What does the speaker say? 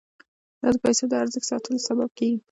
دا د پیسو د ارزښت ساتلو سبب کیږي.